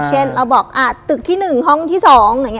เช่นเราบอกอ่ะตึกที่หนึ่งห้องที่สอง